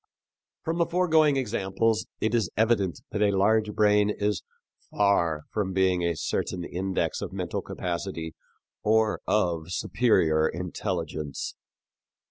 From the foregoing examples it is evident that a large brain is far from being a certain index of mental capacity or of superior intelligence.